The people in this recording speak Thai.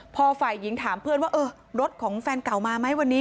พอฝ่ายหญิงถามเพื่อนว่าเออรถของแฟนเก่ามาไหมวันนี้